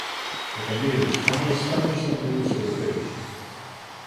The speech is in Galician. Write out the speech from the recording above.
E que a media dos españois está lonxe da media dos europeos.